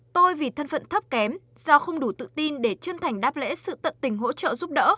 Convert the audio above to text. tôi vì thân phận thấp kém do không đủ tự tin để chân thành đáp lễ sự tận tình hỗ trợ giúp đỡ